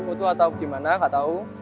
foto atau gimana nggak tahu